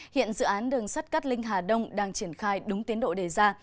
hiện dự án đường sắt cát linh hà đông đang triển khai đúng tiến độ đề ra